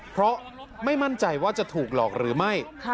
เพราะไม่มั่นใจว่าจะถูกหลอกหรือไม่